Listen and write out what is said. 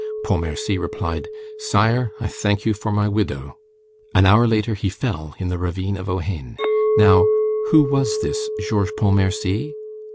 Pontmercy replied: "Sire, I thank you for my widow." An hour later, he fell in the ravine of Ohain. Now, who was this Georges Pontmercy?